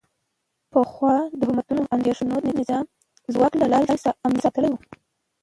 پخوا د حکومتونو اندیښنه د نظامي ځواک له لارې د امنیت ساتل و